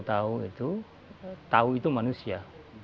tau tau itu manusia